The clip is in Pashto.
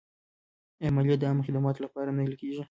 آیا مالیه د عامه خدماتو لپاره نه لګیږي؟